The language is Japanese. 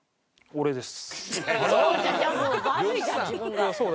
「俺です」。